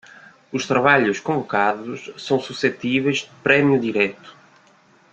Os trabalhos convocados são suscetíveis de prêmio direto.